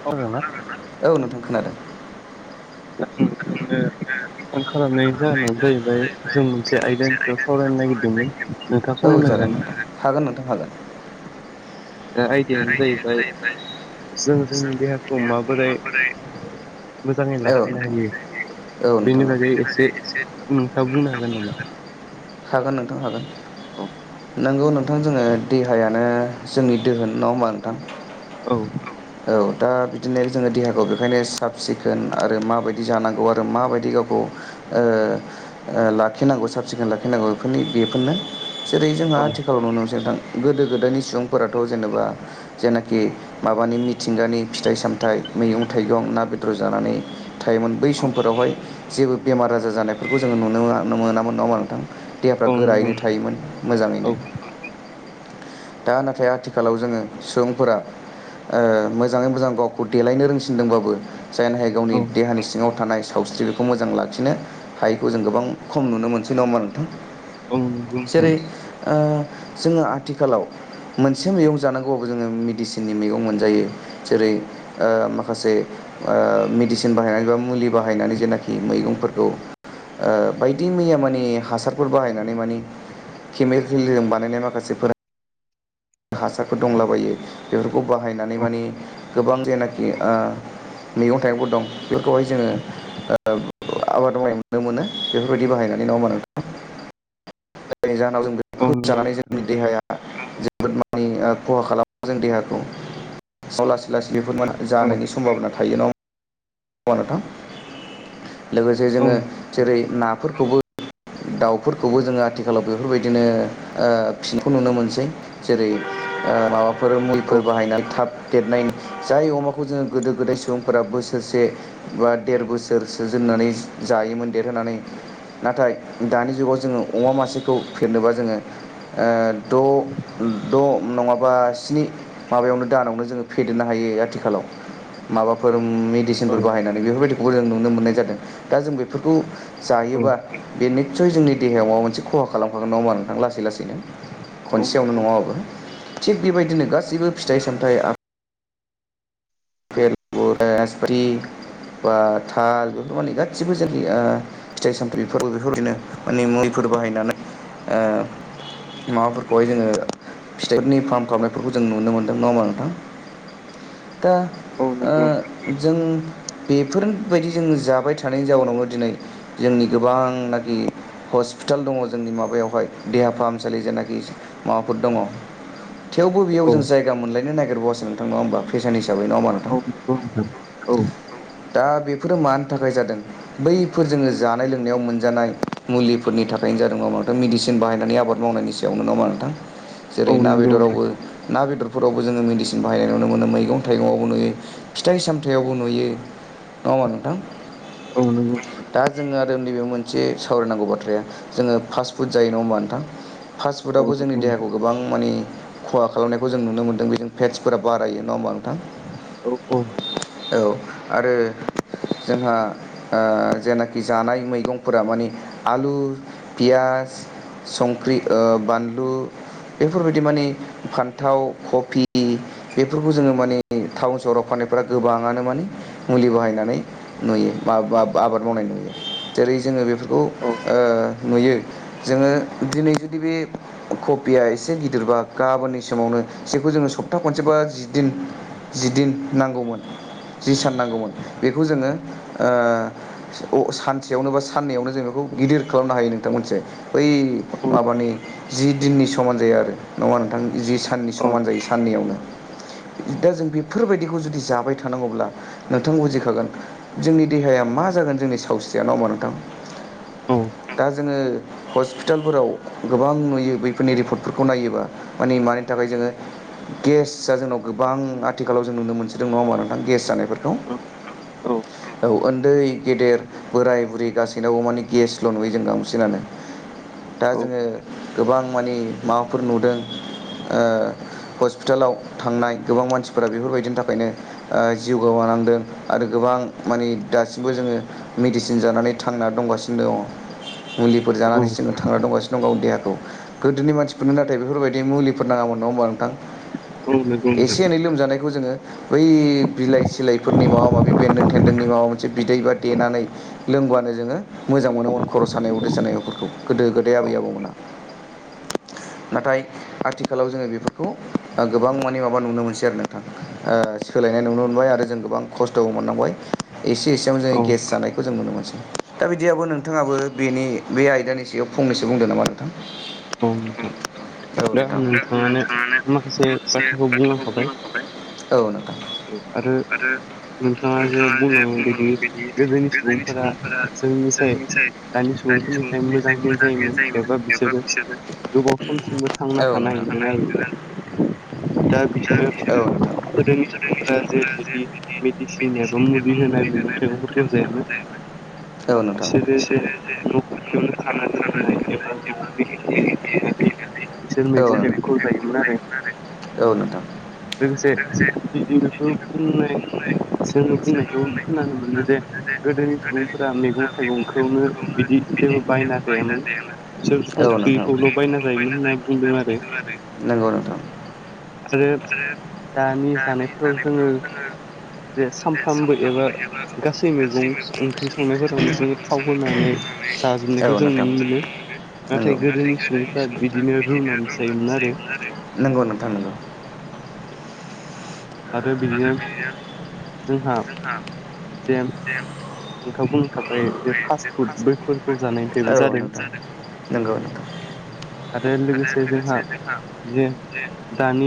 [unintelligible] ना? औ नोंथां खोनादों। [unintelligible] फन खालामनाय जाहोना जाहैबाय जों मोनसे आयदानि सायाव सावरायनो नागिरदोंमोन नोंथाङा सम होनो हागोन ना? हागोन नोंथां हागोन। ओ आयदायानो जाहैबाय जों जोंनि देहाखौ माबोरै मोजाङै लाखिनो हायो। औ नोंथां [unintelligible] हागोन नोंथां हागोन नंगौ नोंथां जोङो देहायानो जोंनि दोहोन नङा होमबा नोंथां? औ। औ दा बिदिनो जोङो देहाखौ बेखायनो साब सिखोन आरो माबायदि जानांगौ आरो माबाय [unintelligible] ओ ओ लाखिनांगौ साब सिखोन लाखिनांगौ बेफोरनि बेफोरनो जेरै जोंहा आथिखालाव नुजेनदों गोदो गोदायनि सुबुंफोराथ' जेनेबा जेनाखि माबानि मिथिंगानि फिथाइ सामथाइ मैगं थाइगं ना बेदर जानानै थायोमोन बै समफोरावहाय जेबो बेमार आजार जानायफोरखौ जोङो नुनो [unintelligible] देहाफ्रा गोरायैनो थायोमोन मोजाङैनो दा नाथाय आ थिखालाव जोङो सुबुंफोरा ओ मोजाङै मोजां गावखौ देलायनो रोंसिनदोंबाबो जायनि थाखाय गावनि देहानि सिङाव थानाय सावस्रि बेखौ मोजां लाखिनो हायैखौ जों गोबां खम नुनो मोनसै नङा ओमबा नोंथां? जेरै ओ जोङो आथिखालाव एसे मैगं जानांगौबाबो जोङो मेडिसिननि मैगं जेरै ओ माखासे ओ मेडिसिन बाहाय एबा मुलि बाहायनानै जेनाखि मैगंफोरखौ ओ बायदि मैया माने हासारफोर बाहायनानै माने केमेल हिलजों बानायनाय माखासे फोरा हासारफोर दंलाबायो बेफोरखौ बाहायनानै माने गोबां जेनाखि ओ मैगं थाइगंबो दं बेफोरखौहाय जोङो ओ [unintelligible] आवा दंनाय नुनो मोनो बेफोरबायदि बाहायनानै नङा ओमबा नोंथां [unintelligible] जाहोनाव जों [unintelligible] जानानै जोंनि देहाया [unintelligible] जानायनि सम्भाबना थायो [unintelligible] [unintelligible] नोंथां लोगोसे जोङो जेरै नाफोरखौबो दाउफोरखौबो जोङो आथिखालाव बेफोरबायदिनो ओ फिसिनायखौ नुनो मोनसै। जेरै ओ माबा फोर मुलिफोर बाहायनानै थाब देरनाय जाय अमाखौ जोङो गोदो गोदाय सुबुंफोरा बोसोरसे [unintelligible] बा देर बोसोरसो जोननानै जायोमोन देरहोनानै। नाथाय दानि जुगाव जोङो अमा मासेखौ फेहेरनोबा जोडों ओ द' द' नङाबा स्नि माबायावनो दानावनो जोङो फेदेरनो हायो। आथिखालाव माबाफोर मेदि। सिनफोर, बाहायनानै बेफोरबायदिखौबो जों नुनो मोन्नाय जादों दा जों बेफोरखौ जायोबा। बे निस्सय जोंनि देहायाव माबा मोनसे खहा खालामखागोन नाडां होनबा नोंथां लासै लासैनो। खनसेयावनो नङाबाबो, थिग बेबायदिनो गासैबो फिथाइ सामथाइ आद। [unintelligible] पाथि बा थाल बेफोर माने गासिबो जोंनिया। फिथाइ सामथ्रिफोर, बेफोरदिनो माने मुलिफोर बाहायनानै ओ। माबाफोरखौहाय जोङो फिथाइनि फार्म खालामनायफोरखौ जों नुनो मोन्दों नङा होनबा नोंथां। दा। ओ जों बेफोरबायदि जोंडों जाबाय थानायनि जाउनावनो दिनै। जोंनि गोबांनाखि। हस्पिटाल दङ। जोंनि माबायावहाय देहा फाहामसालि जेनाखि माबाफोर दङ। थेवबो बेयाव जों जायगा मोनलायनो नागिरबावासो नोंथां नङा होमबा फैसानि हिसाबै नङा होमबा। औ नंगौ नोंथां औ। दा बेफोरो मानि थाखाय जादों। बैफोर जोङो जानाय लोंनायाव मोनजानाय मुलिफोरनि थाखायनो जादों नंङा होमबा नोंथां मेडिसिन बाहायनानै आबाद मावनायनि सा। सायावनो नङा होमबा नोंथां। [inaudible] जेरै ना बेदरावबो। ना बेदरफोरावबो जोङो मेडिसिन बाहायनाय नुनो मोनो मैगं थाइगंआवबो नुयो फिथाइ सामथायाइावबो नुयो। नङा होनबा नोंथां औ नंगौ। दा जोङो आरो नैबे मोनसे सावरायनांगौ बाथ्राया जोङो फास्ट फुड जायो नङा होमबा नोंथां। फास्फुडआवबो जों देहाखौ गोबां। गोबां माने खहा खालामनायखौ जों नुनो मोन्दों बेजों फेटसफोरा बारायो नङा होमबा नोंथां। औ औ। औ आरो जोंहा। ओ जेनाखि जानाय मैगंफोरा माने आलु पियास। संख्रि ओ बानलु। बेफोरबायदि माने फान्थाव कफि। बेफोरखौ जोङो माने टाउन सहराव फाननायफ्रा गोबाङानो माने। मुलि बाहायनानै नुयो मा बा‌ बा बा आबाद मावनाय नुयो जेरै जोङो बेफोरखौ। खौ ओ नुयो जोङो दिनै जुदि बे। कबिया एसे गिदिरबा गाबोननि समावनो जेखौ जोङो सप्ता खनसेबा जिदिन। जिदिन नांगौमोन जि सान नांगौमोन बेखौ जोङो ओ। औ सानसेयावनो बा साननैयावनो जों बेखौ गिदिर खालामनो हायो नोंथां मोनथिबाय। बै माबानि जि दिननि समान जायो आरो नङा नोंथां। जि साननि समान जायो साननैयावनो। दा जों बेफोरबायदिखौ जुदि जाबाय थानांगौब्ला। नोंथां बुजिखागोन जोंनि देहाया मा जागोन जोंनि सावस्रिया नङा होमबा नोंथां। दा जोङो। हस्पिटालफोराव गोबां नुयो बैफोरनि रिपर्टफोरखौ नायोबा माने मानि थाखाय जोङो। गेसआ जोंनाव गोबां आथिखालाव जों नुनो मोनसोदों नङा होमबा नोंथां गेस जानायफोरखौ। औ औ। उन्दै गेदेर बोराय बुरै गासैनावबो माने गेसल' नुयो बांसिनानो। दा जोङो गोबां माने माबाफोर नुदों। ओ हस्पिटालाव थांनाय गोबां मानसिफोरा बेफोरबायदिनि थाखायनो ओ जिउ। गोमानांदों आरो गोबां माने दासिमबो जोङो। मेडिसिन जानानै थांना दंगासिनो दङ'। मुलिफोर जानानैसो जोङो थांनानै दंगासिनो दं देहाखौ। गोदोनि मानसिफोरनो नाथाय बेफोरबादि मुलिफोर नाङामोन नङा होमबा नोंथां? एसे एनै लोमजानायखौ जोङो बै बिलाइ। सिलायफोरनि माबा माबि बेन्दों थेन्दोंनि माबा मोनसे बिदै बा देनानै। लोंबानो जोङो मोजां मोनोमोन खर' सानाय उदै सानायफोरखौ गोदो गोदाय आबै आबौमोना। [inaudible] नाथाय आथिखालाव जोङो बेफोरखौ ओ गोबां माने माबा नुनो मोनसै आरो नोंथां ओ सोलायनाय नुनो मोनबाय आरो जों गोबां खस्थ' मोननांबाय एसे एसेयावनो जों गेस जानायखौ जों नुनो मोनसै। दा बिदियाबो नोंथाङाबो बेनि बे आयदानि सायाव फंनैसो बुंदों नामा? औ नोंथां। दा नोंथाङानो माखासे बाथ्राखौ बुंलांखाबाय। उम आरो आरो नोंथाङा जे बुंदों बिदि गोदोनि सुबुंफोरा जोंनि [unintelligible] दानि [unintelligible] एबा बिसोरो गोबाव समसिमबो थांना थानो हायोमोन आरो दा बिसोरो गोदोनि सुबुंफोरा जे सोबबिदि मेदिसिन एबा मुलि होनाय मैगं थाइगंफोरखौ जायामोन। बिसोरो जे न' खाथियावनो खानानै दोननाय एबा न'आवनो [inaudible] बिसोरो मैगं थाइगंखौ जायोमोन आरो लोगोसे बिदि बेखौ बुंनाय जोङो बुंनायखौ खोनानो मोनो जे गोदोनि सुबुंफोरा मैगं थाइगंखौनो बिदि जेबो बायना जायामोन बिसोर संख्रि [unintelligible] नंगौ नोंथां। बिसोरो दानि जानायफोराव जोंङो जे सानफ्रामबो एबा गासै मैगं ओंख्रि संनायफोरावनो जोङो थाव होनानै जाजोबनायखौ जों नुनो मोनो। नोंगौ नाथाय [unintelligible] बिदिनो [unintelligible] आरो नंगौ नोंथां नोंगौ। नाथाय बेयो जोंहा दे [inaudible] औ नोंथां नोंगौ नोंथां आरो लोगोसे जोंहा जे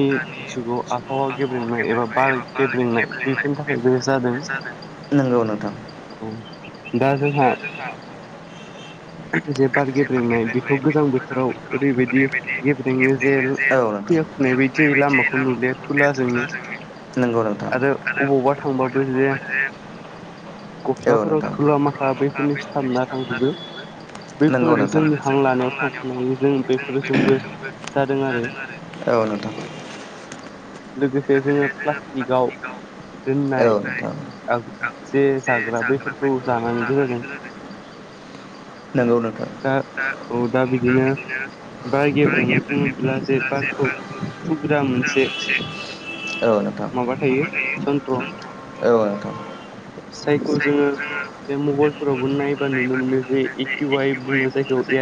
दानि सुबुं आबहावा गे बार गेब्लेंनाय बेफोरनि थाखायबो जादों औ दा जोंहा जे बार गेब्रेंनाय बेथ' गोजां बोथोराव ओरैबायदि गेब्रेङो जे खैया खुनाय बाय जे लामाखौ नुलाया थुला जोंनो। नोंगौ नोंथां आरो अबावबा थांबाबो जे औ नोंथां [inaudible] नोंगौ नोंथां औ नोंथां लोगोसे जोङो जोङो प्लासटिकाव दोननाय आग जे जाग्रा बैफोरखौ जानानैबो जोगोन [inaudible] नंगौ नोंथां औ औ नोंथां जायखौ जोङो मोननाय बादि बुं ज जे इकउ आइ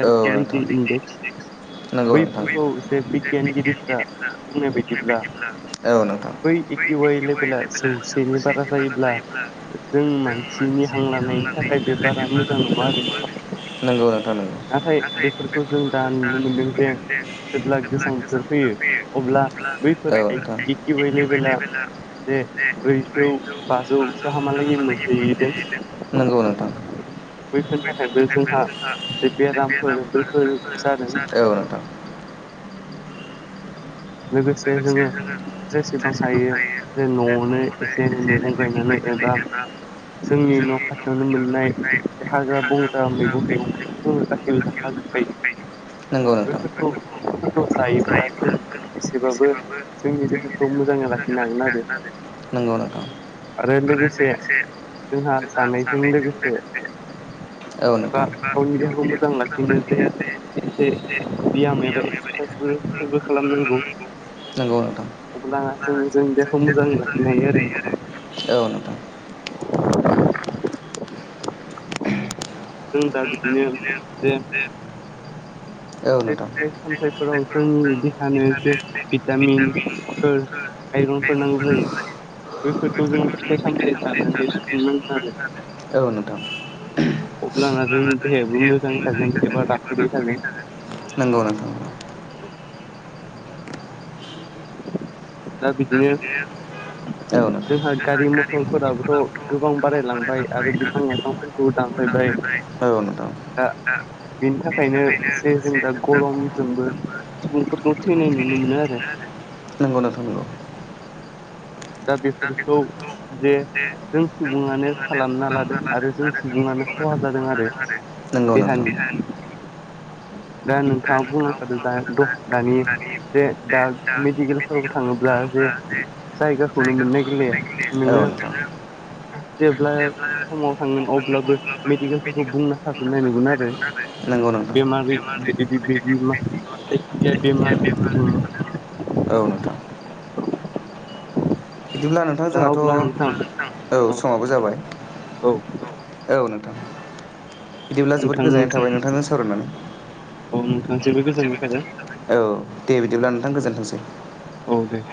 औ नोंथां नंगौ नोंथां औ नोंथां इउ एइ लेभेला जौसेनि बारा जायोब्ला जों मानसिनि हां लानाय नि थाखाय बे बारा मोजां नङा आरो नाथाय बेफोरखौ जों दा नुनो मोनदों जे जेब्ला गोजां बोथोर फैयो अब्ला बैफोर आइ जिकिवाइ लेबेला लेबेला जे ब्रैजौ बाजौ गाहामालागै मोनहैदों। बैफोरनि थाखायबो जोंहा जे बेरामफोर बेफोर जादों। लोगोसे जोङो जेसेबां हायो जे जे न'आवनो एसे एनै मैगं गायनानै एबा जोंनि न' खाथियावनो मोननाय हाग्रा बंग्रा मैगं थाइगंखौथ' जोङो गासैबो जाखाजोबखायो। बेफोरखौ मैगंफोरखौ जायोब्ला जों एसेबाबो जोंनि देहाखौ मोजां नंगौ नोंथां। आरो लोगोसे जोंहा जानायजों लोगोसे औ नोंथां। नंगौ नोंथां। लानानै जों जोंनि देहाखौ मोजांङै लाखिनो हायो आरो औ नोंथां। [unintelligible] औ नोंथां मायरंफोर नांगौ जायो। बैफोरखौ जोङो फिथाइ सामथाय जानानै सुफुंनांगोन आरो। औ नोंथां। नोंगौ नोंथां। दा बिदिनो औ नोंथां औ नोंथां बेनि थाखायनो जे गरमजोंबो थैनायखौ नुनो मोनो आरो नोंगौ नोंथां नंगौ। दा बेफोरखौ जे जों सुबुङानो खालामना लादों आरो जों सुबुङानो खहा जादों आरो देहानि। दा नोंथाङा बुंनो थादों द दानि जे दा मेडिकेलफोराव थाङोब्ला जे [unintelligible] जेब्ला खम थांनो अब्लाबो [inaudible] नायदोंमोन आरो। नांगौ नोंथां जेब्ला [inaudible] औ नोंथां। बिदिब्ला नोंथां जोंहाथ' औ नोंथां औ समाबो जाबाय। औ औ नोंथां बिदिब्ला जोबोद गोजोननाय थाबाय नोंथांजों सावरायनानै जोबोद गोजोननाय थाबाय, औ दे बिदिब्ला नोंथां गोजोनथोंसै औ दे